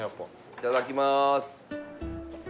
いただきまーす！